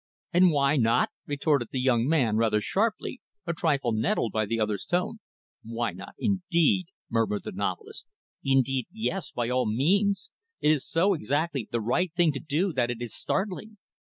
"And why not?" retorted the young man, rather sharply, a trifle nettled by the other's tone. "Why not, indeed!" murmured the novelist. "Indeed, yes by all means! It is so exactly the right thing to do that it is startling.